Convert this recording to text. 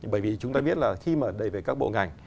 bởi vì chúng ta biết là khi mà đầy về các bộ ngành